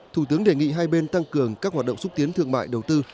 thủ tướng đề nghị hai bên tăng cường các hoạt động xúc tiến thương mại đầu tư